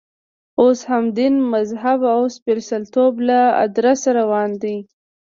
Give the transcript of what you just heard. اوس هم دین، مذهب او سپېڅلتوب له ادرسه روان دی.